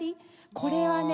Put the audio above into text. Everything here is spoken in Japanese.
これはね